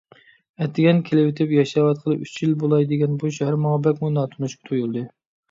ئەتىگەن كېلىۋېتىپ، ياشاۋاتقىلى ئۈچ يىل بولاي دېگەن بۇ شەھەر ماڭا بەكمۇ ناتونۇش تۇيۇلدى.